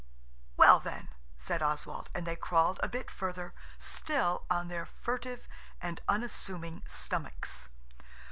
"Well, then," said Oswald, and they crawled a bit further still on their furtive and unassuming stomachs.